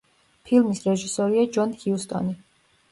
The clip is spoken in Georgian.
ფილმის რეჟისორია ჯონ ჰიუსტონი.